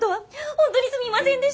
ほんとにすみませんでした！